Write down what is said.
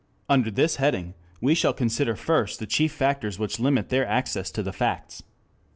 Under this heading we shall consider first the chief factors which limit their access to the facts.